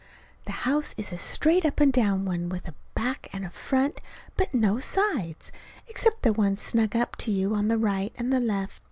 The house is a straight up and down one with a back and front, but no sides except the one snug up to you on the right and left.